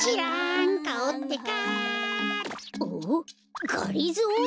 んっがりぞー？